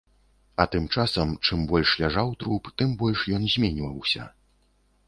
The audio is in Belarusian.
А тым часам, чым больш ляжаў труп, тым больш ён зменьваўся.